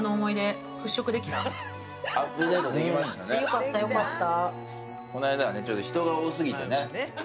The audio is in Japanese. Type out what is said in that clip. よかったよかった。